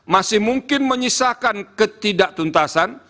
masih mungkin menyisakan ketidaktuntasan